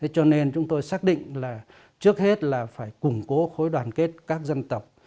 cho nên chúng tôi xác định là trước hết là phải củng cố khối đoàn kết các dân tộc